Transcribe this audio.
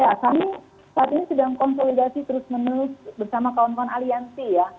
ya kami saat ini sedang konsolidasi terus menerus bersama kawan kawan aliansi ya